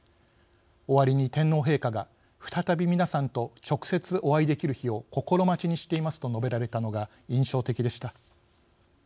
終わりに天皇陛下が「再び皆さんと直接お会いできる日を心待ちにしています」と述べられたのが印象的でした。